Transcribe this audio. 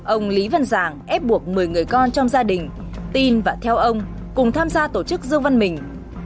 ông lý văn giàng ép buộc một mươi người con trong gia đình tin và theo ông cùng tham gia tổ chức dương văn mình